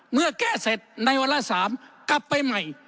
เมื่อแก้เสร็จในวาระ๓กลับไปใหม่